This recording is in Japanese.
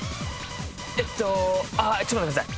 えっとちょっと待ってください